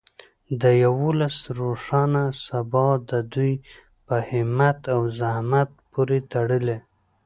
د یو ولس روښانه سبا د دوی په همت او زحمت پورې تړلې.